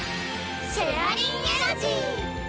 シェアリンエナジー！